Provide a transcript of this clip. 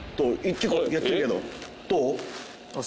結構やってるけどどう？